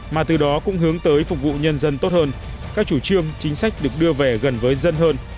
mà từ đó cũng hướng tới phục vụ nhân dân tốt hơn các chủ trương chính sách được đưa về gần với dân hơn